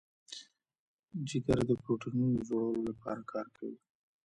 جگر د پروټینونو د جوړولو لپاره کار کوي.